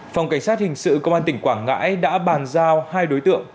phòng cảnh sát hình sự công an tỉnh quảng ngãi đã bàn giao hai đối tượng